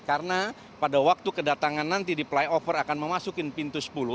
karena pada waktu kedatangan nanti di flyover akan memasukin pintu sepuluh